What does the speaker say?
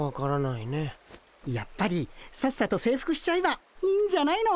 やっぱりさっさと征服しちゃえばいいんじゃないの。